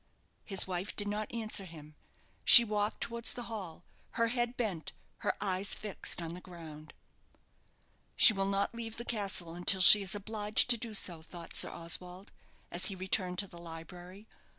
His wife did not answer him. She walked towards the hall, her head bent, her eyes fixed on the ground. "She will not leave the castle until she is obliged to do so," thought Sir Oswald, as he returned to the library.